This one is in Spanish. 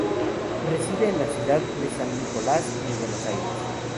Reside en la ciudad de San Nicolás, en Buenos Aires.